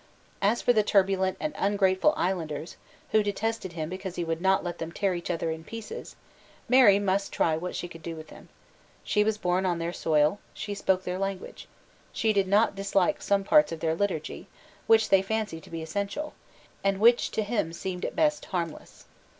As for the turbulent and ungrateful islanders, who detested him because he would not let them tear each other in pieces, Mary must try what she could do with them. She was born on their soil. She spoke their language. She did not dislike some parts of their Liturgy, which they fancied to be essential, and which to him seemed at best harmless.